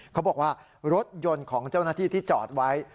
เขาบอกว่ารถยนต์ของเจ้าหน้าที่ที่จอดไว้